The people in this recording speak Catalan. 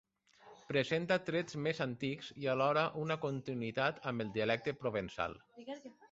Presenta trets més antics i alhora una continuïtat amb el dialecte provençal.